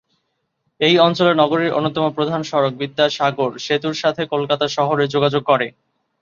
এই অঞ্চলেই নগরীর অন্যতম প্রধান সড়ক বিদ্যাসাগর সেতুর সাথে কলকাতা শহরের যোগাযোগ করে।